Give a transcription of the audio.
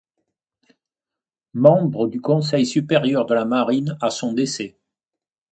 Membre du Conseil supérieur de la Marine à son décès.